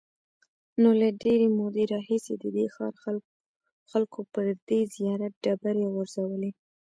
نو له ډېرې مودې راهیسې د دې ښار خلکو پر دې زیارت ډبرې غورځولې.